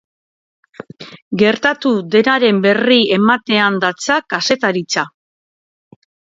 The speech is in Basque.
Gertatu denaren berri ematean datza kazetaritza.